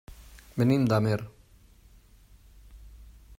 Venim d'Amer.